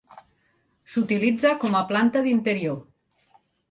S'utilitza com planta d'interior.